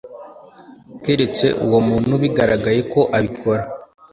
keretse uwo muntu bigaragaye ko abikora